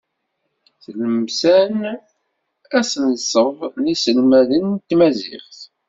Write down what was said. Tlemsan, asenṣeb n yiselmaden n tmaziɣt.